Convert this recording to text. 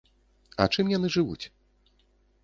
А чым яны жывуць?